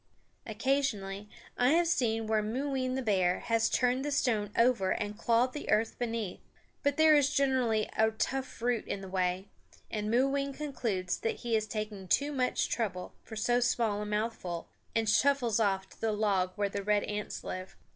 Occasionally I have seen where Mooween the bear has turned the stone over and clawed the earth beneath; but there is generally a tough root in the way, and Mooween concludes that he is taking too much trouble for so small a mouthful, and shuffles off to the log where the red ants live.